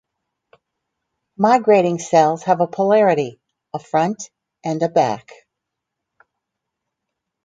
Migrating cells have a polarity-a front and a back.